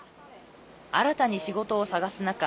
新たに仕事を探す中